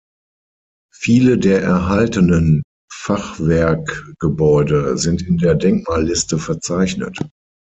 Viele der erhaltenen Fachwerkgebäude sind in der Denkmalliste verzeichnet.